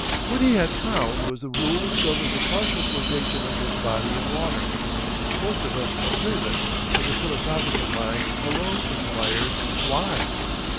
What he had found was the rule which governed the partial flotation of his body in water. Most of us observe it, but the philosophical mind alone inquired "Why?"